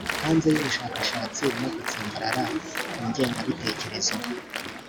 hanze y ubushakashatsi no gutsimbarara ku ngengabitekerezo